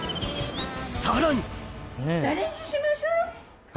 さらにチャレンジしましょう。